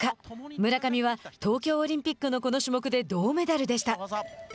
村上は東京オリンピックのこの種目で銅メダルでした。